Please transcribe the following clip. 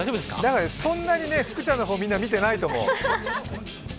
そんなに福ちゃんの方見てないと思う。